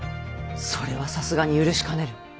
それはさすがに許しかねる。